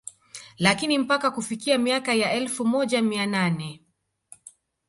Lakini mpaka kufikia miaka ya elfu moja mia nane